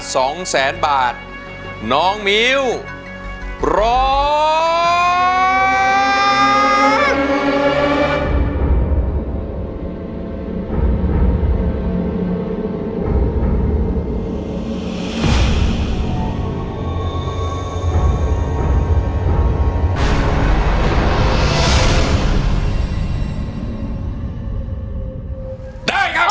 ของข้าของข้า